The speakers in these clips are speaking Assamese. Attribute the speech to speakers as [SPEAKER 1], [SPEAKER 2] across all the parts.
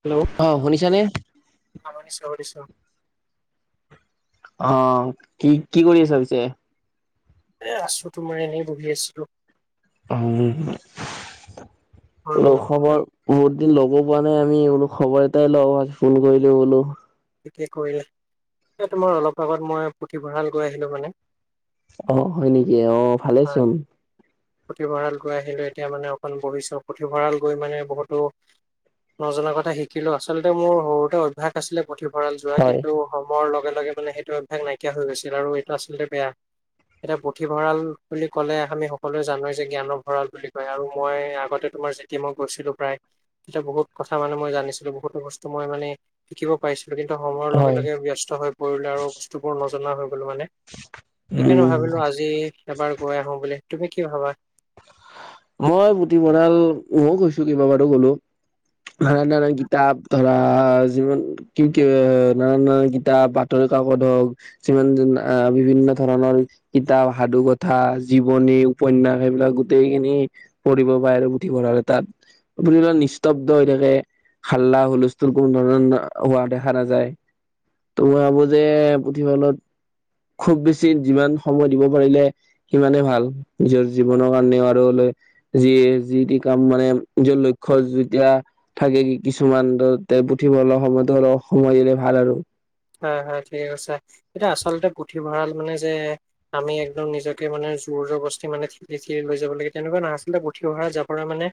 [SPEAKER 1] হেল্ল'
[SPEAKER 2] অ শুনিছানে?
[SPEAKER 1] অ নিছো নিছো
[SPEAKER 2] অ কি কি কৰি আছ পিছে?
[SPEAKER 1] এ আছো তোমাৰ এনেই বহি আছিলো
[SPEAKER 2] উ
[SPEAKER 1] আৰু
[SPEAKER 2] খবৰ বহুত দিন ল'ব প নাই আমি বোলো খবৰ এটাই লওঁ আজ ফোন কৰিলো বোলো।
[SPEAKER 1] টিকেই কৰিলে তোমাৰ অলপ আগত মই পুথিভঁৰাল, গৈ আহিলো মানে
[SPEAKER 2] অ হয় নেকি অ ভালে
[SPEAKER 1] হয়,
[SPEAKER 2] চোন
[SPEAKER 1] পুথিভঁৰাল, গৈ আহিলো এতিয়া মানে অকণ ভৱিষ পুথিভঁৰাল গৈ মানে বহুতো। নজনা কথা শিকিলো আচলতে মোৰ সৰুতে অভ্যয়াস আছিলে পুথিভঁৰাল যোৱাৰ
[SPEAKER 2] হয়
[SPEAKER 1] কিন্তু সময়ৰ লগে লগে মানে সেইটো অভ্যাস নাইকিয়া হৈ গৈছিল আৰু এইটো আচলতে বেয়া। এটা পুথিভঁৰাল, বুলি ক'লে আমি সকলোৱে জানোৱ যে জ্ঞানৰ ভঁৰাল, বুলি কয় আৰু মই আগতে তোমাৰ এতিয়া মই গৈছিলো প্ৰায় তেতিয়া বহুত কথা মানে মই জানিছিলো বহুতো বস্তু মই মানে শিকিব পাইছিলো কিন্তু সময়ৰ লগে
[SPEAKER 2] হয়।
[SPEAKER 1] লগে ব ব্যস্ত হৈ পৰিলে আৰু বস্তুবোৰ নজনা হৈ গ'লো। মানে সেইকাৰণে
[SPEAKER 2] উম
[SPEAKER 1] ভাবিলো আজি এবাৰ গৈ আহো বুলি তুমি কি ভাবা
[SPEAKER 2] মই পুটি ভৰাল মইয়ো গৈছো কেইাবাৰো গ'লো। নানা নানা কিতাপ ধৰা যিমান কি কি এ নানা নানা কিতাপ বাতৰি কাকত হওক সিমান বিভিন্ন ধৰণৰ কিতাপ সাধু, কথা জীৱনী, উপন্যাস, এইবিলাক গোটেইখিনি পঢ়িব পাৰে আৰু গুথি পঢ়িব পাৰে তাত নিস্তব্ধ হৈ থাকে হাল্লা হুলস্থুৰ কোনো ধৰণৰ হোৱা দেখা নাযায়। ত' মই ভাবো যে পুথিভঁলত খুব বেছি যিমান সময় দিব পাৰিলে। সিমানে ভাল নিজৰ জীৱনৰ কাৰণেও আৰু যি যিয়ে যি যি কাম মানে নিজৰ লক্ষ্য যেতিয়া থাকে কি কিছুমান পুথিভঁৰাল সময়ত হলে সময় দিলে ভাল আৰু
[SPEAKER 1] হয় হয় ঠিক আছে এতিয়া আচলতে পুথিভঁৰাল, মানে যে। আমি একদম নিজকে মানে জোৰ জোৰ বস্তি মানে ঠেলি লৈ যাব লাগে তেনেকুৱা নাছিলে পুঠি অহা জ পৰা মানে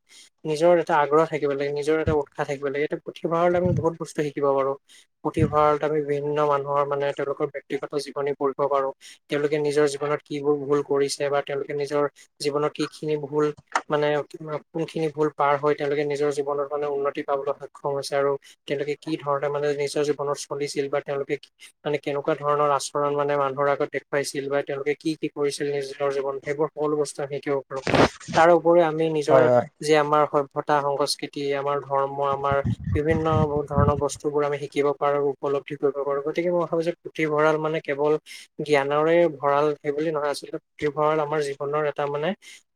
[SPEAKER 1] নিজৰ এটা আগ্ৰহ থাকিব লাগিব নিজৰ এটা উৎসাহ থাকিব লাগে এইটো পুথিভঁৰাল আমি বহুত বস্তু শিকিব পাৰোঁ পুথিভঁৰালত আমি বিভিন্ন মানুহৰ মানে তেওঁলোকৰ ব্যক্তিগত জীৱনী পঢ়িব পাৰোঁ তেওঁলোকে নিজৰ জীৱনত কিবোৰ ভুল কৰিছে বা তেওঁলোকে নিজৰ জীৱনত কি খিনি ভুল মানে কোনখিনি ভুল পাৰ হৈ তেওঁলোকে নিজৰ জীৱনত মানে উন্নতি পাবলৈ সক্ষম হৈছে আৰু তেওঁলোকে কি ধৰণে মানে নিজৰ জীৱনত চলিছিল বা তেওঁলোকে মানে কেনেকুৱা ধৰণৰ আচৰণ মানে মানুহৰ আগত দেখুৱাইছিল বা তেওঁলোকে কি কি কৰিছিল নিজৰ জীৱন সেইবোৰ সকলো‌‌ বস্তু আমি শিকিব পাৰোঁ তাৰপৰি আমি নিজৰ
[SPEAKER 2] হয় হয়
[SPEAKER 1] যে আমাৰ সভ্যতা সংস্কৃতি আমাৰ ধৰ্ম আমাৰ বিভিন্ন ধৰণৰ বস্তু বোৰ আমি শিকিব পাৰোঁ উপলব্ধি কৰিব পাৰোঁ গতিকে মই ভাবো যে পুথিভঁৰাল মানে কেৱল জ্ঞানৰে ভঁৰাল সেই বুলি নহয় আচলতে পুথিভঁৰাল আমাৰ জীৱনৰ এটা মানে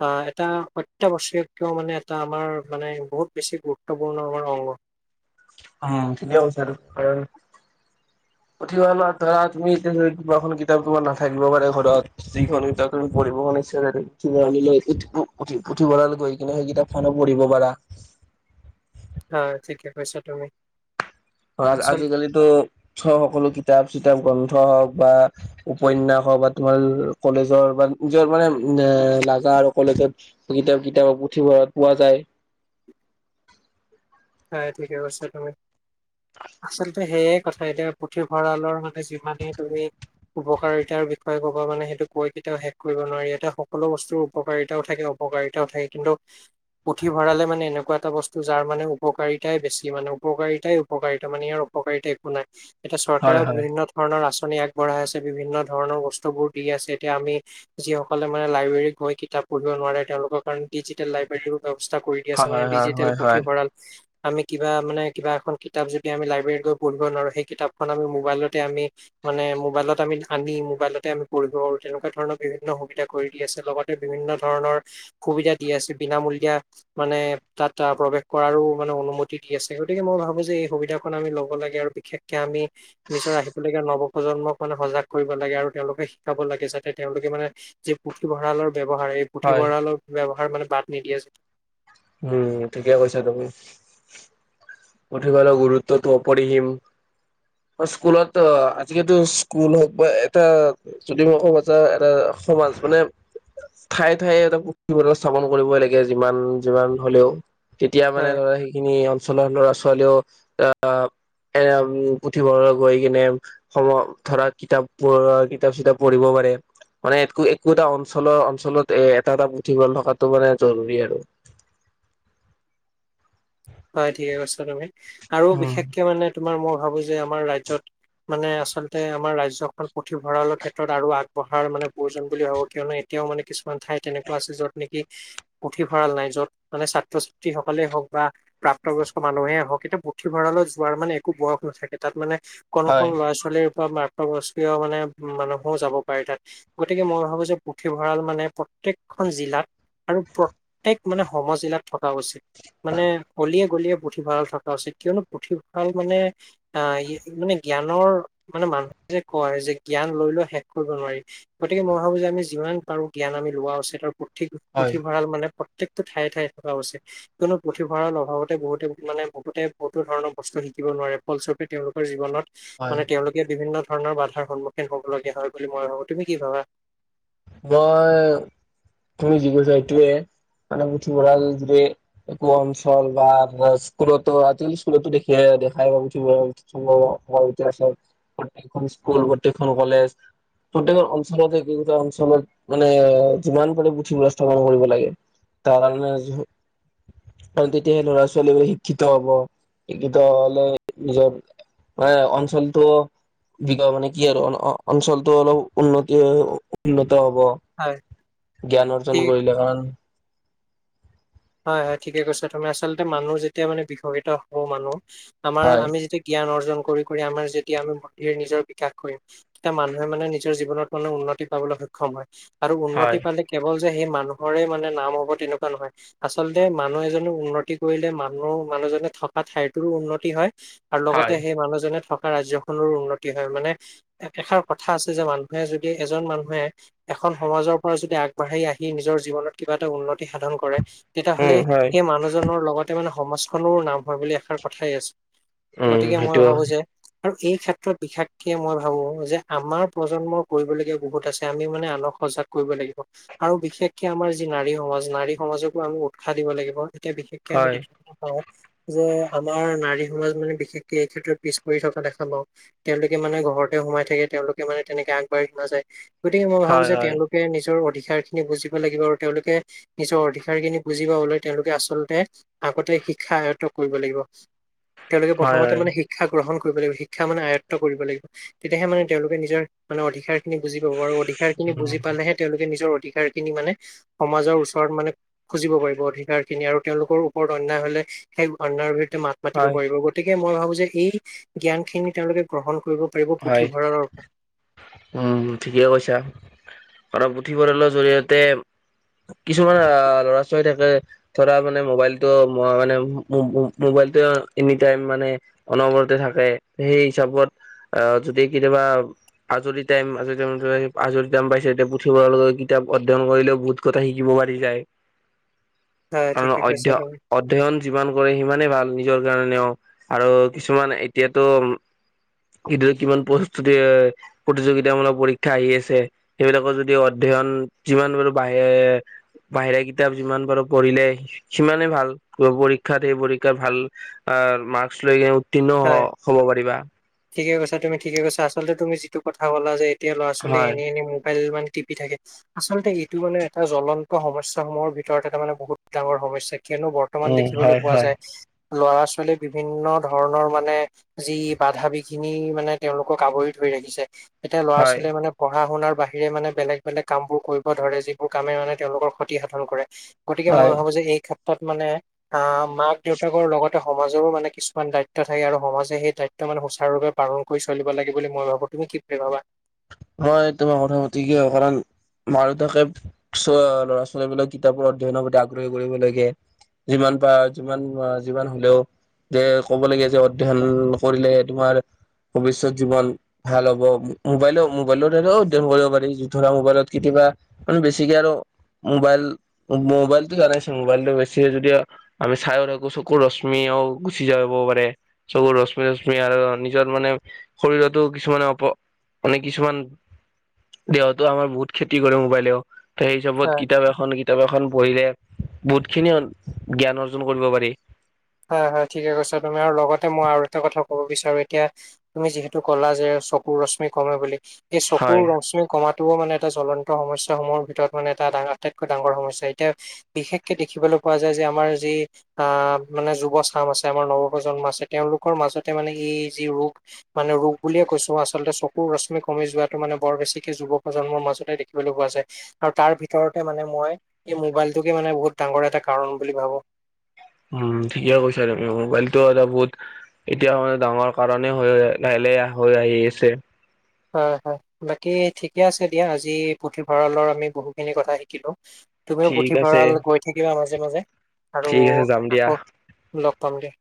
[SPEAKER 1] অহ এটা অত্যাৱশ্যকীয় মানে এটা আমাৰ মানে বহুত বেছি গুৰুত্বপূৰ্ণ আমাৰ অংগ
[SPEAKER 2] অহ ঠিকে কৈছা আৰু পুথিভঁৰাল ধৰা তুমি এতিয়া কিবাখন কিতাপ তোমাৰ নাথাকিব পাৰে ঘৰত যি খন কিতাপ তুমি পঢ়িব কাৰনে ইচ্ছা যায় থাকে পু পুথিভৰাল গৈ কিনে সেই কিতাপ খনো পঢ়িব পাৰা
[SPEAKER 1] হয় ঠিকে কৈছা তুমি
[SPEAKER 2] অ
[SPEAKER 1] আচল
[SPEAKER 2] আজিকালিতো সকলো কিতাপ চিতাপ গ্ৰন্থ হওঁক বা উপন্যাস হওঁক বা তোমাৰ কলেজৰ বা নিজৰ মানে এ লাগা আৰু কলেজত কিতাপ কিতাপ পুথিভঁৰাত পোৱা যায়
[SPEAKER 1] হয় ঠিকে কৈছা তুমি আচলতে সেয়াই কথা এতিয়া পুথিভঁৰালৰ মানে যিমানেই তুমি উপকাৰিতাৰ বিষয়ে ক'ব মানে সেইটো কৈ কেতিয়াও শেষ কৰিব নোৱাৰি ইয়াতে সকলো বস্তুৰ উপকাৰিতাও থাকে অ অপকাৰিতা থাকে কিন্তু পুথিভঁৰালে মানে এনেকুৱা এটা বস্তু যাৰ মানে উ উপকাৰিতাই বেছি মানে উপকাৰিতাই উপকাৰিতাই মানে ইয়াৰ অপকাৰিতা একো নাই এতিয়া
[SPEAKER 2] হয়
[SPEAKER 1] চৰকাৰও
[SPEAKER 2] হয়।
[SPEAKER 1] বিভিন্ন ধৰণৰ আঁচনি আগবঢ়াই আছে বিভিন্ন ধৰণৰ বস্তুবোৰ দি আছে এতিয়া আমি যিসকলে মানে লাইব্ৰেৰীত গৈ কিতাপ পঢ়িব নোৱাৰে তেওঁলোকৰ কাৰণে ডিজিটেল লাইব্ৰেৰীও ব্যৱস্থা কৰি দি
[SPEAKER 2] হয়
[SPEAKER 1] আছে মানে
[SPEAKER 2] হয় হয়
[SPEAKER 1] ডিজিটেল
[SPEAKER 2] হয়
[SPEAKER 1] পুথিভঁৰাল
[SPEAKER 2] [unintelligible]
[SPEAKER 1] আমি কিবা মানে কিবা এখন কিতাপ যদি আমি লাইব্ৰেৰীত গৈ পঢ়িব নোৱাৰোঁ সেই কিতাপখন আমি মোবাইলতে আমি মানে মোবাইলত আমি আনি মোবাইলতে আমি পঢ়িব তেনেকুৱা ধৰণৰ বিভিন্ন সুবিধা কৰি দি আছে লগত এ বিভিন্ন ধৰণৰ সুবিধা দি আছে বিনামূলীয়া মানে তাত প্ৰৱেশ কৰাৰো মানে অনুমতি দি আছে গতিকে মই ভাবো যে এই সুবিধা কণ আমি ল'ব লাগে আৰু বিশেষকে আমি নিজৰ আহিলগীয়া নৱপ্ৰজন্মক মানে সজাগ কৰিব লাগে আৰু তেওঁলোকে শিকাব লাগে যাতে তেওঁলোকে মানে যি পুথিভঁৰালৰ ব্যৱহাৰ এই
[SPEAKER 2] হয়
[SPEAKER 1] পুথিভঁৰালৰ ব্যৱহাৰ মানে বাদ নিদিয়া যে।
[SPEAKER 2] উম ঠিকে কৈছা তুমি পুথিভঁৰাল গুৰুত্বটো অপৰিহিম। স্কুলত অহ আজিকালিতো স্কুল হওঁক বা এটা যদি মই ক'ব যাওঁ এটা সমান মানে ঠায়ে ঠায়ে এটা পুঠিভৰাঁল স্থাপন কৰিবই লাগে যিমান যিমান হলেও তেতিয়া মানে ধৰা সেইখিনি অঞ্চলৰ ল'ৰা ছোৱালীও আহ। এ পুথিভঁৰাল গৈ কিনে সময় ধৰা কিতাপবোৰত কিতাপ চিতাপ পঢ়িব পাৰে। মানে একো একো এটা অঞ্চলৰ অঞ্চলত এ এটা এটা পুথিভঁৰাল থকাটো মানে জৰুৰী আৰু।
[SPEAKER 1] হয় ঠিকে কৈছা তুমি আৰু
[SPEAKER 2] উম
[SPEAKER 1] বিশেষকে মানে তোমাৰ মই ভাবো যে আমাৰ ৰাজ্যত। মানে আচলতে আমাৰ ৰাজ্যৰখন পুথিভঁৰালৰ ক্ষেত্ৰত আৰু আগবঢ়াৰ মানে প্ৰয়োজন বুলি ভাবো কিয়নো এতিয়াও মানে কিছুমান ঠাইত তেনেকুৱা আছে যত নেকি পুথিভঁৰাল নাই য'ত মানে ছাত্ৰ ছাত্ৰী সকলেই হওক বা প্ৰাপ্তবয়স্ক মানুহেই হওক এতিয়া পুথিভঁৰালৈ যোৱাৰ মানে একো বয়স নাথাকে তাত মানে অকণ
[SPEAKER 2] হয়
[SPEAKER 1] অকণ ল'ৰা ছোৱালীৰ পৰা মাকবস্মীয় মানে মানুহেও যাব পাৰে তাত। গতিকে মই ভাবো যে পুথিভঁৰাল মানে প্ৰত্যেকখন জিলাত আৰু প্ৰত্যেক মানে সমজিলাত থকা অৱেশ্যে মানে গলিয়ে গলিয়ে পুথিভঁৰাল থকা উচিত কিয়নো পুথিভঁৰাল মানে আহ ই মানে জ্ঞানৰ মানে মানুহে যে কয় যে জ্ঞান লৈ লৈ শেষ কৰিব নোৱাৰি গতিকে মই ভাবো যে আমি যিমান পাৰো জ্ঞান আমি লোৱা উচিত আৰু পুথি
[SPEAKER 2] হয়
[SPEAKER 1] পুথিভঁৰাল মানে প্ৰত্যেকতটো ঠাইয়ে ঠাইয়ে থকা উচিত কিয়নো পুথিভঁৰাল লগতে বহুতে মানে বহুতে বহুতো ধৰণৰ বস্তু শিকিব নোৱাৰে ফলস্বৰূপে তেওঁলোকৰ জীৱনত
[SPEAKER 2] হয়
[SPEAKER 1] মানে তেওঁলোকে বিভিন্ন ধৰণৰ বাধাৰ সন্মুখীন হবলগীয়া হয় বুলি মই ভাবো। তুমি কি ভাবা?
[SPEAKER 2] মই তুমি যি কৈছা সেইটোয়ে মানে পুথিভঁৰাল যদি একো অঞ্চল বা আপোনাৰ স্কুলতো আজিকালি স্কুলতো দেখিয় দেখাই পাব সম্ভৱ হয় এতিয়া চোৱা প্ৰতেইক খন স্কুল প্ৰতেইকখন কলেজ প্ৰত্যেকৰ অঞ্চলতে যিকিটা অ ঞ্চলত মানে যিমান পাৰে পুথিভঁৰাল ব্যৱস্থা কৰিব লাগে তাৰ কাৰণে আৰু তেতিয়াহে ল'ৰা ছোৱালীবোৰ শিক্ষিত হব শিক্ষিত হলে নিজৰ মানে অঞ্চলটো বিক মানে কি আৰু অঞ্চলটো অলপ উন্নতি হৈ উন্নত হব
[SPEAKER 1] হয়
[SPEAKER 2] জ্ঞান অৰ্জন
[SPEAKER 1] ঠিক
[SPEAKER 2] কৰিলে কাৰণ
[SPEAKER 1] হয় হয় ঠিকে কৈছা তুমি। আচলতে মানুহ যেতিয়া মানে বিকম্পিত হব মানুহ আমাৰ
[SPEAKER 2] হয়
[SPEAKER 1] আমি যেতিয়া জ্ঞান অৰ্জন কৰি কৰি আমাৰ যেতিয়া আমি মন্দিৰৰ নিজে বিকাশ কৰিম এটা মানুহে মানে নিজৰ জীৱনত মানে উন্নতি পাবলৈ সক্ষম হয়। আৰু উন্নতি
[SPEAKER 2] হয়
[SPEAKER 1] পালে কেৱল যে সেই মানুহৰে মানে নাম হ'ব তেনেকুৱা নহয় আচলতে মানুহ এজনে উন্নতি কৰিলে মানুহ মানুহজনে থকা ঠাইটোৰো উন্নতি হয় আৰু লগতে
[SPEAKER 2] হয়
[SPEAKER 1] সেই মানুহজনে থকা ৰাজ্যখনৰো উন্নতি হয় মানে এষাৰ কথা আছে যে মানুহে যদি এজন মানুহে এখন সমাজৰ পৰা যদি আগবাঢ়ি আহি নিজৰ জীৱনত কিবা এটা উন্নতি সাধন কৰে তেতিয়াহ'লে
[SPEAKER 2] উম হয়
[SPEAKER 1] সেই মানুহজনৰ লগতে মানে সমাজখনৰ নাম হয় বুলি এষাৰ কথাই আছে।
[SPEAKER 2] উম
[SPEAKER 1] গতিকে মই
[SPEAKER 2] সেইটো
[SPEAKER 1] ভাবো যে আৰু এই ক্ষেত্ৰত বিশেষকৈ মই ভাবোঁ যে আমাৰ প্ৰজন্ম কৰিবলগীয়া বহুত আছে আমি মানে আনক সজাক কৰিব লাগিব আৰু বিশেষকে আমাৰ যি নাৰী সমাজ নাৰী সমাজক আমি উৎসাহ দিব লাগিব এতিয়া বিশেষকে আমি
[SPEAKER 2] হয়
[SPEAKER 1] দেখি পাওঁ যে আমাৰ নাৰী সমাজ মানে বিশেষকে এই ক্ষেত্ৰত পিছ পৰি থকা দেখা পাওঁ তেওঁলোকে মানে ঘৰতে সোমাই থাকে তেওঁলোকে মানে তেনেকে আগবাঢ়ি নাযায়। গতিকে মই ভাবো
[SPEAKER 2] হয়
[SPEAKER 1] যে
[SPEAKER 2] হয়
[SPEAKER 1] তেওঁলোকে নিজৰ অধিকাৰ খিনি বুজিব লাগিব আৰু তেওঁলোকে নিজৰ অধি কাৰ খিনি বুজি পাবলৈ তেওঁলোকে আচলতে আগতে শিক্ষা আয়ত্ব কৰিব লাগিব। তেওঁলোকে
[SPEAKER 2] হয়
[SPEAKER 1] প্ৰথমতে
[SPEAKER 2] হয়
[SPEAKER 1] মানে শিক্ষা গ্ৰহণ কৰিব লাগিব শিক্ষা মানে আয়ত্ব কৰিব লাগিব। তেতিয়াহে মানে তেওঁলোকে নিজৰ মানে অধিকাৰ খিনি বুজি পাব আৰু অধি কাৰ খিনি
[SPEAKER 2] উম
[SPEAKER 1] বুজি পালেহে তেওঁলোকে নিজৰ অধিকাৰ খিনি মানে সমাজৰ ওচৰত মানে খুজিব পাৰিব অধিকাৰ খিনি আৰু তেওঁলোকৰ ওপৰত অন্যায় হলে সেই অন্যায়ৰ বিৰুদ্ধে মাত মাতিব
[SPEAKER 2] হয়
[SPEAKER 1] পাৰিব গতি গতিকে মই ভাবো যে এই জ্ঞান খিনি তেওঁলোকে গ্ৰহণ কৰিব পাৰিব
[SPEAKER 2] হয়
[SPEAKER 1] পুথিভঁৰালৰ পৰা।
[SPEAKER 2] উম ঠিকে কৈছা কাৰণ পুথিভঁৰালৰ জৰিয়তে কিছুমান আহ ল'ৰা ছোৱালী থাকে - ধৰা মানে মোবাইলটো মানে মো মো মোবাইলটো এনি টাইম মানে- অনবৰতে থাকে, সেই হিচাপত আহ যদি কেতিয়াবা- আজৰি টাইম আজৰি টাইম ধৰা আজৰি টাইম পাইছে এতিয়া পুথিভৰালৈ গৈ কিতাপ অধয়ন কৰিলেও বহুত- কথা শিকিব পাৰি যায়,
[SPEAKER 1] পৰা হয়
[SPEAKER 2] আৰু
[SPEAKER 1] ঠিকে কৈছা তুমি
[SPEAKER 2] অধ্যয়- অধ্যয়ন যিমান কৰে সিমানেই ভাল নিজৰ কাৰণেও আৰু কিছুমান এতিয়াতো - এইদৰে কিমান প্ৰস্তু দিয়ে - প্ৰতিযোগিতামূলক পৰীক্ষা আহি আছে সেইবিলাকৰ যদি অধ্যয়ন যিমান পাৰো বাহিৰ- বাহিৰা কিতাপ যিমান পাৰো পঢ়িলে সিমানে ভাল পৰীক্ষাত সেই পৰীক্ষাৰ ভাল- মাস্ক লৈ কিনে উত্তীৰ্ণ হব পাৰিবা।
[SPEAKER 1] ঠিকেই কৈছা তুমি ঠিকেই কৈছা আচলতে তুমি যিটো কথা' কলা যে এতিয়া ল' ছোৱালী
[SPEAKER 2] হয়
[SPEAKER 1] এনেই এনেই ম'বাইল মানে টিপি থাকে। আচলতে এইটো মানে এটা জ্বলন্ত সমস্যা সমূহৰ ভিতৰত এটা মানে বহুত ডাঙৰ সমস্যা কিয়নো বৰ- বৰ্তমান
[SPEAKER 2] উম
[SPEAKER 1] দেখিবলৈ
[SPEAKER 2] হয়
[SPEAKER 1] পোৱা
[SPEAKER 2] হয়
[SPEAKER 1] যায়, ল'ৰা-ছোৱালী বিভিন্ন ধৰ- ধৰণৰ মানে যি বাধা বিঘিনি মানে তেওঁলোকক আৱৰি ধৰি ৰাখিছে - এতিয়া
[SPEAKER 2] হয়
[SPEAKER 1] লৰা-ছোৱালীয়ে মানে - পঢ়া শুনাৰ বাহিৰে মানে বেলেগ বেলেগ কামবোৰ কৰিব ধৰে, যিবোৰ কামে মানে তেওঁলোকৰ ক্ষতি সাধন কৰে। গতিকে মই
[SPEAKER 2] হয়
[SPEAKER 1] ভাবো যে এই ক্ষেত্ৰত মানে আহ মাক দেউতাকৰ লগতে সমাজৰো মানে কিছুমান দায়িত্ব- দায়িত্ব থাকে আৰু সমাজে সেই দায়িত্ব মানে সুচাৰুৰূপে পাল কৰি চলিব লাগে বুলি মই ভাবো। তুমি কি বুলি ভাবা?
[SPEAKER 2] হয় তোমাৰ কথা সঠিকে হয়, কাৰণ মাক দেউতাকে - চ্ ল'ৰা-ছোৱালীবিলাক কিতাপৰ অধ্যয়নৰ প্ৰতি আগ্ৰহী কৰিব লাগে। যিমান বা যিমান বা যিমান হলেও - যে ক'ব লাগীয়া যে অধ্যয়ন কৰিলে তোমাৰ - ভৱিষ্যত জীৱন ভাল হ'ব, মোবাইলও- মোবাইলত হ'লেও অধ্যয়ন কৰিব পাৰি, ধৰা মোবাইলত কেতিয়াবা মানে বেছিকে আৰু মোবাইল - মোবাইলটো জানাই চোন, মোবাইলটো বেছি যদি দিয়া- আমি চাইও থাকো চকুৰ ৰশ্মিও গুচি যাব পাৰে। চকু ৰশ্মি ৰশ্মি আৰু নিজৰ মানে শৰীৰতো কিছুমানে অপ- মানে কিছুমান দেহতো আমাৰ বহুত ক্ষতি কৰে মোবাইলেও, সেই
[SPEAKER 1] হয়
[SPEAKER 2] হিচাপত কিতাপ এখন- কিতাপ এখন পঢ়িলে বহুতখিনি জ্ঞান অৰ্জন কৰিব পাৰি।
[SPEAKER 1] হয়, হয় ঠিকে কৈছা তুমি, আৰু লগতে মই আৰু এটা কথা কব বিচাৰো এতিয়া- তুমি যিহেতু কলা যে চকুৰ ৰশ্মি কমে বুলি, সেই চকুৰ
[SPEAKER 2] হয়
[SPEAKER 1] ৰশ্মি- কমাটোও মানে এটা জ্বলন্ত সমস্যাসমূহৰ ভিতৰত মানে এটা ডাঙৰ আটাইতকৈ ডাঙৰ সমস্যা। এতিয়া - বিশেষকে দেখিবলৈ পোৱা যায় যে আমাৰ যি আহ- মানে যুৱ চাম আছে আমাৰ নৱপ্ৰজন্ম আছে তেওঁলোকৰ মাজতে মানে এই যি ৰোগ - মানে ৰোগ বুলিয়ে কৈছো, আচলতে চকুৰ ৰশ্মি কমি যোৱাটো মানে বৰ বেছিকে যুৱ প্ৰজন্মৰ মাজতে দেখিবলৈ পোৱা যায়। আৰু তাৰ ভিতৰতে মানে মই, এই মোবাইলটোকে মানে বহুত ডাঙৰ এটা কাৰণ বুলি ভাবো।
[SPEAKER 2] উম, ঠিকেই কৈছা তুমি মোবাইলটো এটা বহুত - এতিয়া সময়ে ডাঙৰ কাৰণে হৈ লাহে লাহে হৈ আহি আছে।
[SPEAKER 1] হয়, হয়, বাকী ঠিকে আছে দিয়া আজি পুথিভঁৰালৰ আমি বহুখিনি কথা শিকিলো। তুমিও
[SPEAKER 2] ঠিক আছে
[SPEAKER 1] পুথিভৰাল গৈ থাকিবা মাজে মাজে আৰু
[SPEAKER 2] ঠিক আছে যাম দিয়া
[SPEAKER 1] আকৌ - লগ পাম দিয়া।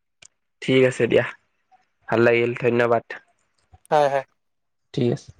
[SPEAKER 2] ঠিক আছে দিয়া, ভাল লাগিল ধন্যবাদ।
[SPEAKER 1] হয়, হয়।
[SPEAKER 2] ঠিক আছে।